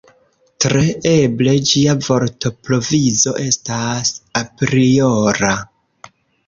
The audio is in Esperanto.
Tre eble ĝia vortprovizo estas apriora.